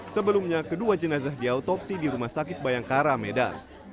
sebelumnya kedua jenazah diautopsi di rumah sakit bayangkara medan